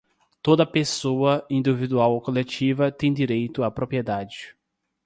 Toda a pessoa, individual ou colectiva, tem direito à propriedade.